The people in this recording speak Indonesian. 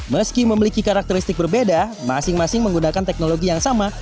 meski memiliki karakteristik berbeda masing masing menggunakan teknologi yang sama